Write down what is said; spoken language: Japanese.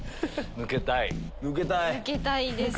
抜けたいです。